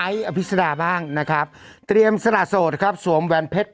ไอ้อภิษฎาบ้างนะครับเตรียมสนาโสดครับสวมแวนเผ็ด